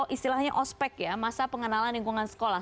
ini hanya ospek ya masa pengenalan lingkungan sekolah